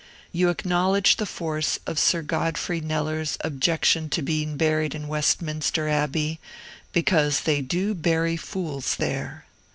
You acknowledge the force of Sir Godfrey Kneller's objection to being buried in Westminster Abbey, because "they do bury fools there!"